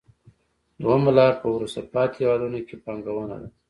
دویمه لار په وروسته پاتې هېوادونو کې پانګونه ده